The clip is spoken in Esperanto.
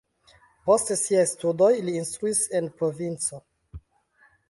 Post siaj studoj li instruis en provinco.